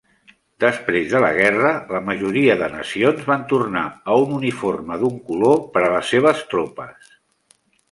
Després de la guerra, la majoria de nacions van tornar a un uniforme d'un color per a les seves tropes.